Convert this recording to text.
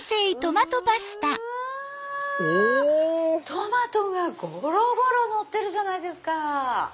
トマトがごろごろのってるじゃないですか！